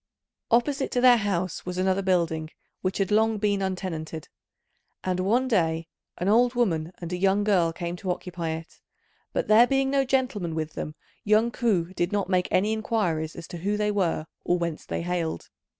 Opposite to their house was another building, which had long been untenanted; and one day an old woman and a young girl came to occupy it, but there being no gentleman with them young Ku did not make any inquiries as to who they were or whence they hailed.